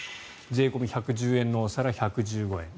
税込み１１０円のお皿１１５円。